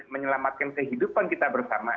menyelamatkan kehidupan kita bersama